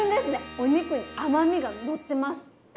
お肉に甘みがのってますはい。